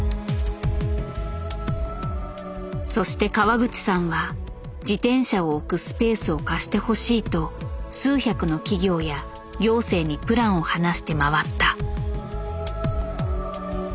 そして川口さんは自転車を置くスペースを貸してほしいと数百の企業や行政にプランを話して回った。